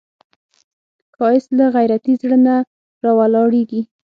ښایست له غیرتي زړه نه راولاړیږي